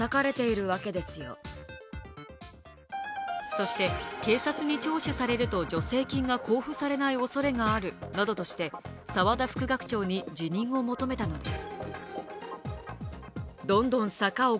そして、警察に聴取されると助成金が交付されないおそれがあるなどとして澤田副学長に辞任を求めたのです。